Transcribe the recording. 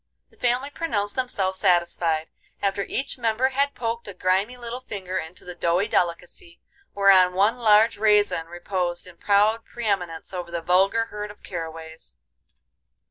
The family pronounced themselves satisfied, after each member had poked a grimy little finger into the doughy delicacy, whereon one large raisin reposed in proud pre eminence over the vulgar herd of caraways.